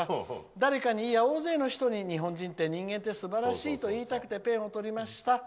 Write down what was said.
誰かに、いや、大勢の人に日本人って、いや、人間ってすばらしいと言いたくてペンをとりました」。